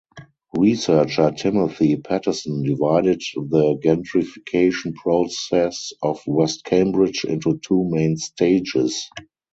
Researcher Timothy Pattison divided the gentrification process of West Cambridge into two main stages.